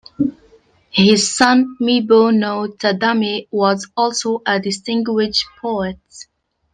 His son Mibu no Tadami was also a distinguished poet.